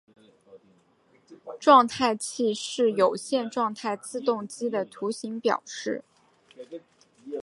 状态器是有限状态自动机的图形表示。